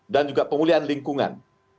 dan juga pemulihan lingkungan